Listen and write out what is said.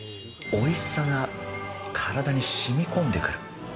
おいしさが体にしみこんでくる。